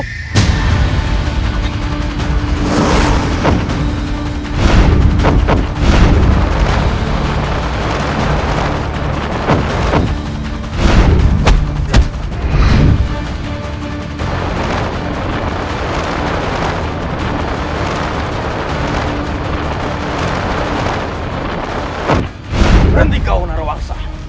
berhenti kau narawangsa